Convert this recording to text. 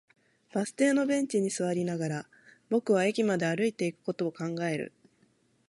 バス停のベンチに座りながら、僕は駅まで歩いていくことを考える